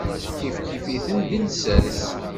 Kifkif-iten deg llsas.